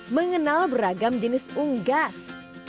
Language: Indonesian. mengenal beragam jenis unggas